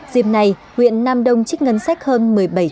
dịp này huyện nam đông trích ngân sách hơn một mươi bảy triệu